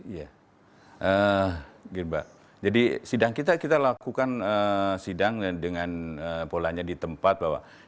iya jadi sidang kita kita lakukan sidang dengan polanya di tempat bahwa